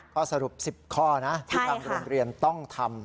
ข้อสรุป๑๐ข้อนะที่ทางโรงเรียนต้องทำ